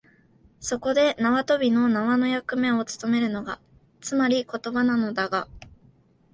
そこで縄跳びの縄の役目をつとめるのが、つまり言葉なのだが、